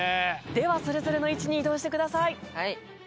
ではそれぞれの位置に移動してください。